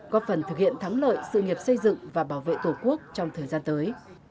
có phần thực hiện thắng lợi sự nghiệp xây dựng và bảo vệ tổ quốc trong thời gian tới